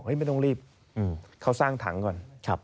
ไม่ต้องรีบเขาสร้างถังก่อน